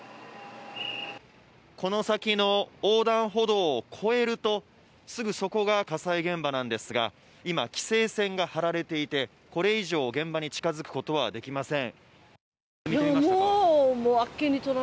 この先の横断歩道を越えるとすぐそこが火災現場なんですが今、規制線がはられていて、これ以上現場に近づくことはできません。